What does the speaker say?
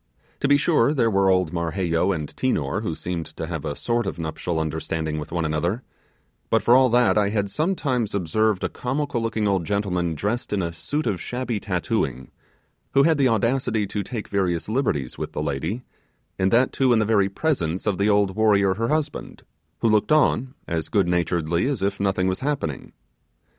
To be sure, there were old Marheyo and Tinor, who seemed to have a sort of nuptial understanding with one another; but for all that, I had sometimes observed a comical looking old gentleman dressed in a suit of shabby tattooing, who had the audacity to take various liberties with the lady, and that too in the very presence of the old warrior her husband, who looked on as good naturedly as if nothing was happening.